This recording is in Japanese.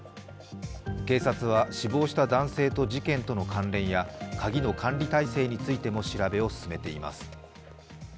警察は死亡した男性と事件との関連や鍵の管理体制についても調べを進めています。